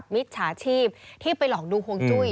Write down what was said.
มิจฉาชีพที่ไปหลอกดูห่วงจุ้ย